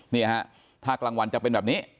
นี่ฮะถ้ากลางวันจะเป็นแบบนี้